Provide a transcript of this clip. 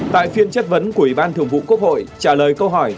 tại phiên chất vấn của ủy ban thường vụ quốc hội trả lời câu hỏi